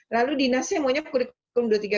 lalu dinasnya maunya kurikulum dua ribu tiga belas